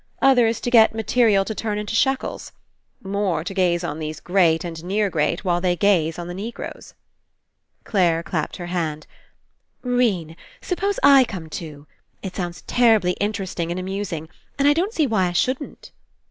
Others to get material to turn into shekels. More, to gaze on these great and near great while they gaze on the Negroes." Clare clapped her hand. " 'Rene, sup pose I come too ! It sounds terribly Interesting 125 PASSING and amusing. And I don't see why I shouldn't."